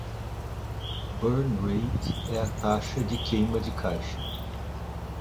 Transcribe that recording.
Burn Rate é a taxa de queima de caixa.